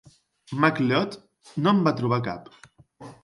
McLeod no en va trobar cap.